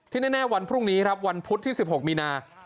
แน่วันพรุ่งนี้ครับวันพุธที่๑๖มีนา